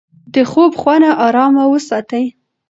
د خوب خونه ارامه وساتئ.